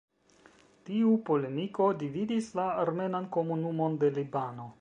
Tiu polemiko dividis la armenan komunumon de Libano.